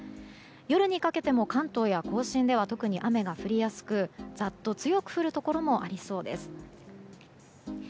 夜にかけても関東や甲信では特に雨が降りやすくざっと強く降るところもありそうです。